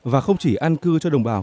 và không chỉ an cư cho đồng bào